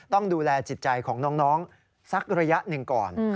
ต้องดูแลจิตใจของน้องสักระยะหนึ่งก่อน